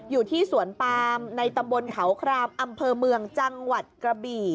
อยู่ที่สวนปามในตำบลเขาครามอำเภอเมืองจังหวัดกระบี่